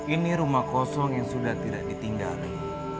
ini rumah kosong yang sudah tidak ditinggali